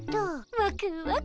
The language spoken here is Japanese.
ワクワク。